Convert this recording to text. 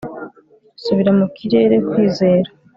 subira mu kirere kwizera